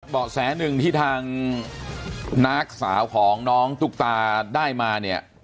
เบาะแสหนึ่งที่ทางน้าสาวของน้องตุ๊กตาได้มาเนี่ย